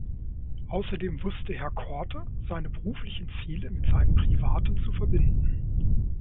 Außerdem wusste Herr Korte seine beruflichen Ziele mit seinen privaten zu verbinden.